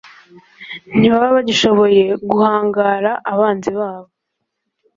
ntibaba bagishoboye guhangara abanzi babo